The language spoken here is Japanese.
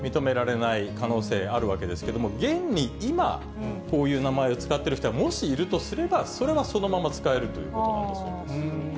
今後はこういうものはね、認められない可能性あるわけですけれども、現に今、こういう名前を使っている人がもしいるとすれば、それはそのまま使えるということなんだそうです。